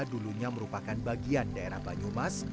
dulunya merupakan bagian daerah banyumas